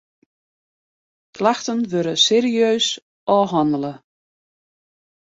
Klachten wurde serieus ôfhannele.